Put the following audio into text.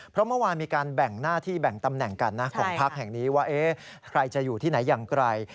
เพราะเมื่อวานมีการแบ่งหน้าที่แบ่งตำแหน่งกันนะของพักแห่งนี้ว่าใครจะอยู่ที่ไหนอย่างไร